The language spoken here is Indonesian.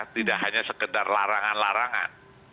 tidak hanya sekedar larangan larangan